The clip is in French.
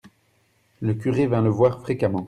Le curé vint le voir fréquemment.